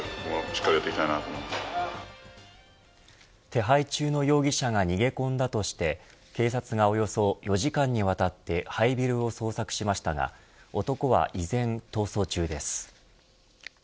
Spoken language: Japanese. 手配中の容疑者が逃げ込んだとして警察がおよそ４時間にわたって廃ビルを捜索しましたが男は依然、逃走中です。